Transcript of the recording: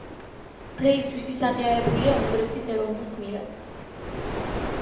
დღეისთვის ის აღიარებულია უნგრეთის ეროვნულ გმირად.